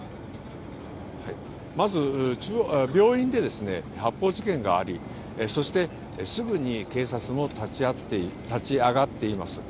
まず病院で発砲事件がありそして、すぐに警察も立ち上がっています。